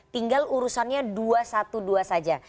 tinggal urusannya dua ratus dua belas saja